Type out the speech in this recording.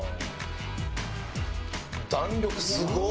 弾力すごっ！